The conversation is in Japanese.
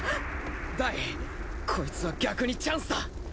ダイこいつは逆にチャンスだ。